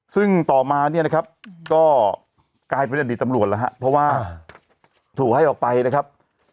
ซึ่งต่อมาเนี่ยนะครับก็กลายเป็นอดีตตำรวจแล้วฮะเพราะว่าถูกให้ออกไปนะครับ